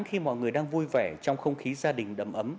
khi mọi người đang vui vẻ trong không khí gia đình đầm ấm